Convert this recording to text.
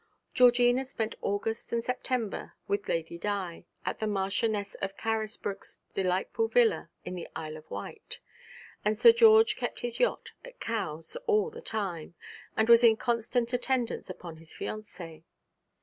Georgina spent August and September with Lady Di, at the Marchioness of Carisbroke's delightful villa in the Isle of Wight, and Sir George kept his yacht at Cowes all the time, and was in constant attendance upon his fiancée.